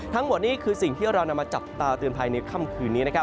ทั้งหมดนี่คือสิ่งที่เรานำมาจับตาเตือนภัยในค่ำคืนนี้